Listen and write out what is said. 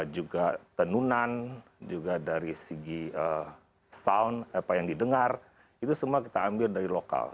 juga tenunan juga dari segi sound apa yang didengar itu semua kita ambil dari lokal